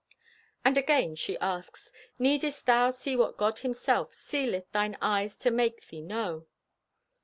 And again she asks: "Needest thou see what God himself sealeth thine eyes to make thee know?"